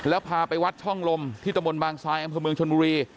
แล้วพาไปวัดช่องลมที่ตะบนบางซายอำเภอเมืองชนบุรี